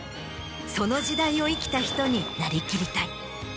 その時代を生きた人になりきりたい。